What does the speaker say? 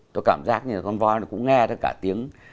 tôi cảm giác như là con voi nó cũng nghe tất cả tiếng